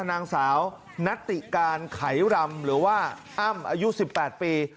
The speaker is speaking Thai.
นางสาวนัตติการไขรำหรือว่าอ้ำอายุ๑๘ปี